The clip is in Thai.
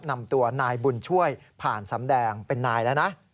นำตัวนายบุญช่วยผ่านสำแดงเป็นนายแล้วนะ